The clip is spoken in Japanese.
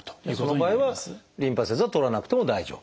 その場合はリンパ節は取らなくても大丈夫。